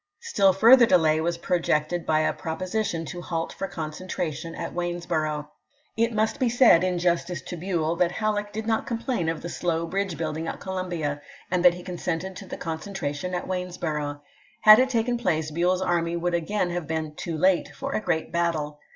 Still further delay was projected by a proposition to halt for concentration at Waynesborough. It must be said in justice to THE SHILOH CAMPAIGN 319 Buell, that Halleck did not complain of the slow ch. xviir. bridge building at Columbia, and that he consented to the concentration at Waynesborough. Had it taken place, Buell's army would again have been " too late " for a great battle.